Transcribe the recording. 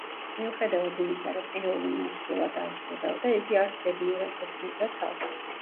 მიუხედავად იმისა, რომ ეოლი მას სრულად არ ზღუდავდა, იგი არც ბედნიერად გრძნობდა თავს.